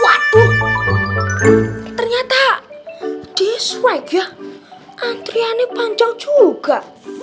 waduh ternyata dia swag ya antriannya panjang juga